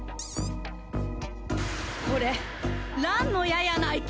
これランの矢やないけ